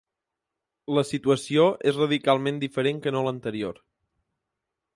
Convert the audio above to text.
La situació és radicalment diferent que no a l’anterior.